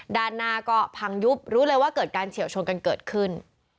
ด้านหน้าก็พังยุบรู้เลยว่าเกิดการเฉียวชนกันเกิดขึ้น